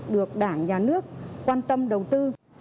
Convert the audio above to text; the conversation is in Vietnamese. được đảng nhà nước quan tâm đầu tư